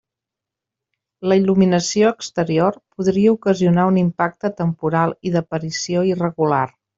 La il·luminació exterior podria ocasionar un impacte temporal i d'aparició irregular.